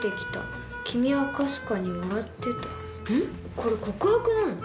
これ告白なの？